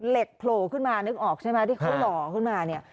โผล่ขึ้นมานึกออกใช่ไหมที่เขาหล่อขึ้นมาเนี่ย